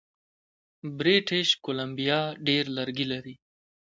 بریټیش کولمبیا ډیر لرګي لري.